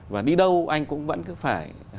và đi đâu anh cũng vẫn cứ phải